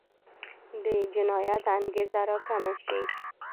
د جنایت انګېزه راکمه شي.